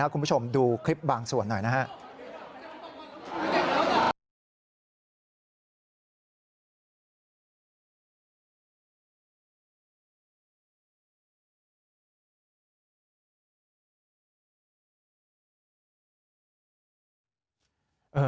คุณผู้ชมดูคลิปบางส่วนหน่อยนะครับ